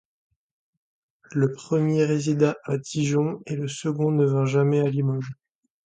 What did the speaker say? Le premier résida à Dijon et le second ne vint jamais à Limoges.